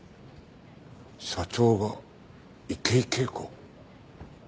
社長が池井景子